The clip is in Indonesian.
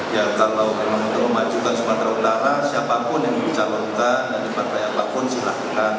ya kalau memang mau mencari di sumatera utara siapapun yang dicalonkan di pirkada apapun silahkan